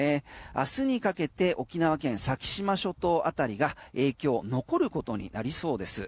明日にかけて沖縄県先島諸島あたりが影響、残ることになりそうです。